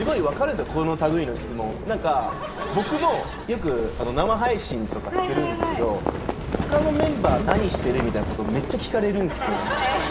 何か僕もよく生配信とかするんですけど「他のメンバー何してる？」みたいなことめっちゃ聞かれるんですよね